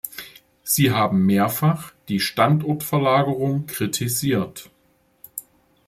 Sie haben mehrfach die Standortverlagerungen kritisiert.